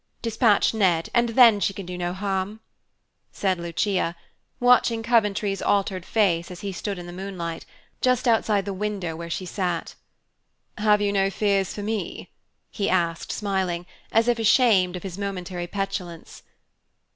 Dispatch Ned, and then she can do no harm," said Lucia, watching Coventry's altered face as he stood in the moonlight, just outside the window where she sat. "Have you no fears for me?" he asked smiling, as if ashamed of his momentary petulance.